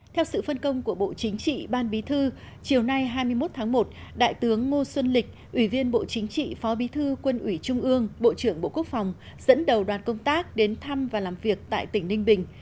theo sự phân công của bộ chính trị ban bí thư chiều nay hai mươi một tháng một đại tướng ngô xuân lịch ủy viên bộ chính trị phó bí thư quân ủy trung ương bộ trưởng bộ quốc phòng dẫn đầu đoàn công tác đến thăm và làm việc tại tỉnh ninh bình